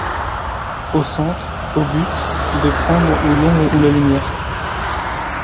Au centre, au but ; de prendre ou l’ombre ou la lumière